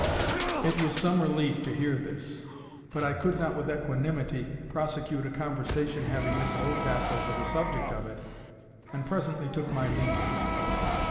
It was some relief to hear this. But I could not with equanimity prosecute a conversation having Miss Oldcastle for the subject of it, and presently took my leave.